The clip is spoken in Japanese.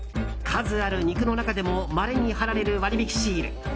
数ある肉の中でもまれに貼られる割引シール。